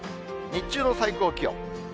日中の最高気温。